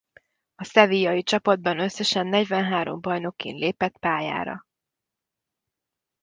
A sevillai csapatban összesen negyvenhárom bajnokin lépett pályára.